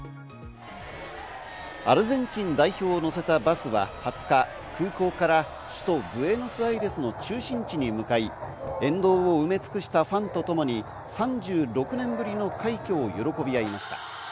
アルゼンチン代表を乗せたバスは２０日、空港から首都ブエノスアイレスの中心地に向かい、沿道を埋め尽くしたファンとともに３６年ぶりの快挙を喜び合いました。